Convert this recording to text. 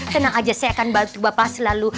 tenang aja saya akan bantu bapak selalu